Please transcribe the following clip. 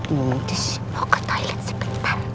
muntis mau ke toilet sebentar ya